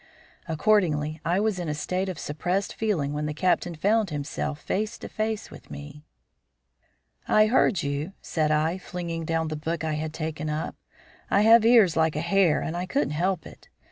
Accordingly, I was in a state of suppressed feeling when the Captain found himself face to face with me. "I heard you," said I, flinging down the book I had taken up. "I have ears like a hare and I couldn't help it.